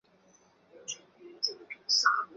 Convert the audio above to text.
要在车上换上短袖